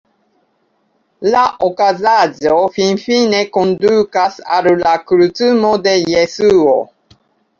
La okazaĵo finfine kondukas al la krucumo de Jesuo.